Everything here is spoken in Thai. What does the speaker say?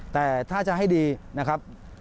แต่ถ้าจะให้ดีนะครับ